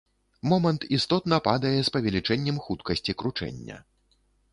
Момант істотна падае з павелічэннем хуткасці кручэння.